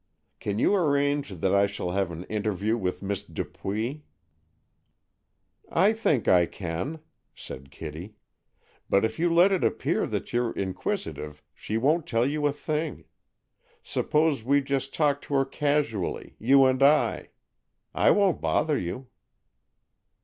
Can you arrange that I shall have an interview with Miss Dupuy?" "I think I can," said Kitty; "but if you let it appear that you're inquisitive she won't tell you a thing. Suppose we just talk to her casually, you and I. I won't bother you."